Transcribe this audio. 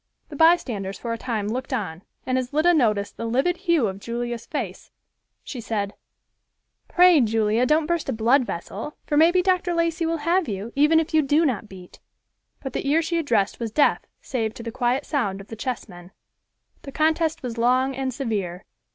The bystanders for a time looked on, and as Lida noticed the livid hue of Julia's face, she said, "Pray, Julia, don't burst a blood vessel, for maybe Dr. Lacey will have you, even if you do not beat." But the ear she addressed was deaf save to the quiet sound of the chessmen. The contest was long and severe.